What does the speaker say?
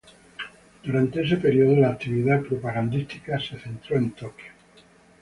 Durante este período, la actividad misionera se centró en Tokio.